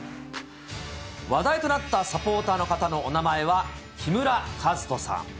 話題となったサポーターの方のお名前は木村和人さん。